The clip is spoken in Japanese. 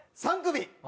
３組。